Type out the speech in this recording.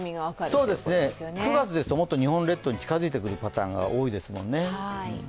そうですね、９月ですともっと日本列島に近づいてくるパターンが多いですもんね。